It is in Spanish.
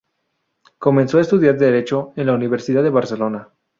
Comenzó a estudiar Derecho en la Universidad de Barcelona.